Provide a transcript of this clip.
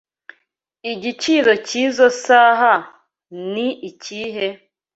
Igiciro cyizoi saha ni ikihe?